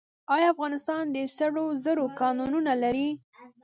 آیا افغانستان د سرو زرو کانونه لري؟